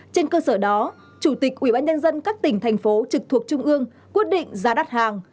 trên cơ sở đó chủ tịch ubnd các tỉnh thành phố trực thuộc trung ương quyết định giá đắt hàng